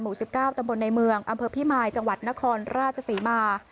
๑๙ตำบลในเมืองอำเภอพิมายจังหวัดนครราชศรีมา